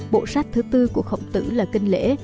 bộ sách thứ tư của khổng tử là kinh lễ